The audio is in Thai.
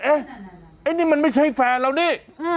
เอ๊ะไอ้นี่มันไม่ใช่แฟนเรานี่